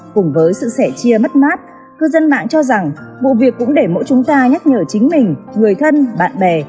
cùng với sự sẻ chia mất mát cư dân mạng cho rằng vụ việc cũng để mỗi chúng ta nhắc nhở chính mình người thân bạn bè